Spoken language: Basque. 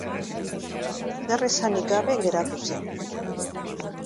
Zer esanik gabe geratu zen.